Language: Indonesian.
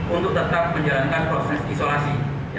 untuk tetap menjalankan proses isolasi